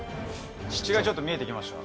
ちょっと見えて来ました？